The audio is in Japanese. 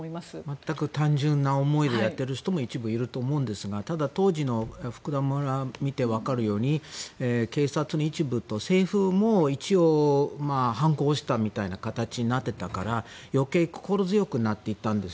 全く単純な思いでやってる人も一部いると思うんですがただ、当時の福田村を見て分かるように警察の一部と、政府も反抗したみたいになっていたから余計心強くなっていったんです。